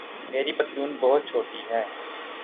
میری پتلون بہت چھوٹی ہے